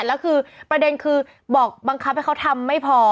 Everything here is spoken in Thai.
แล้วคือประเด็นคือบอกบังคับให้เขาทำไม่พอ